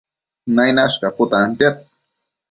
Nainash caputantiad